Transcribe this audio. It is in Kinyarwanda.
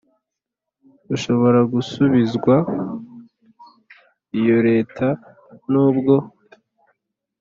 ushobora gusubizwa iyo Leta nubwo